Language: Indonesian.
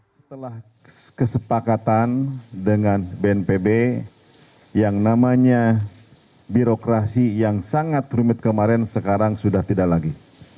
setelah kesepakatan dengan bnpb yang namanya birokrasi yang sangat rumit kemarin sekarang sudah tidak lagi